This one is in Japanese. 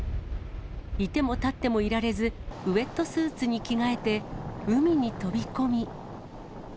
いてもたってもいられず、ウエットスーツに着替えて、海に飛び込み。